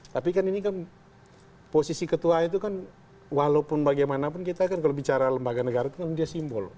tapi kan ini kan posisi ketua itu kan walaupun bagaimanapun kita kan kalau bicara lembaga negara itu kan dia simbol